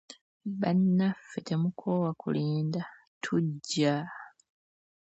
Bannaffe temukoowa kulinda, tujja.